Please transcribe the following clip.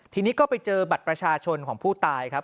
ทีนี้ก็ไปเจอบัตรประชาชนของผู้ตายครับ